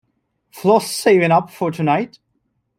Flo's saving up for tonight.